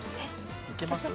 いけます？